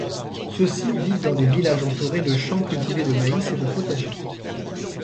Ceux-ci vivent dans des villages entourés de champs cultivés de maïs et de potagers.